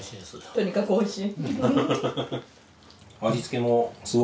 とにかく美味しい。